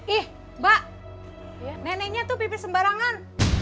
ih mbak neneknya tuh pipis sembarangan